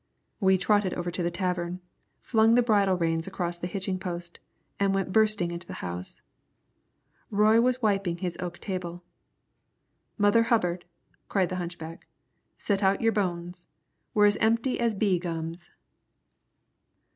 We trotted over to the tavern, flung the bridle reins across the hitching post, and went bursting into the house. Roy was wiping his oak table. "Mother Hubbard," cried the hunchback, "set out your bones. We're as empty as bee gums."